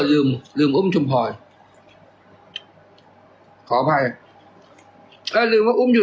ลืมลืมอุ้มชุมพรขออภัยก็ลืมว่าอุ้มอยู่